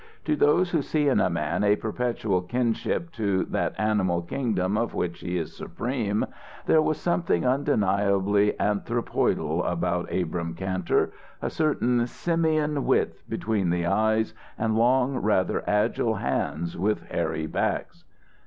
To those who see in a man a perpetual kinship to that animal kingdom of which he is supreme, there was something undeniably anthropoidal about Abrahm Kantor, a certain simian width between the eyes and long, rather agile hands with hairy backs.